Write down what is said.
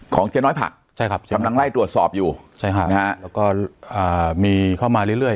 ของเจ๊น้อยผักใช่ครับกำลังไล่ตรวจสอบอยู่ใช่ครับแล้วก็มีเข้ามาเรื่อย